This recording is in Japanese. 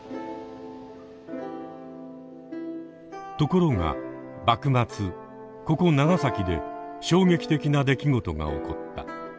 ところが幕末ここ長崎で衝撃的な出来事が起こった。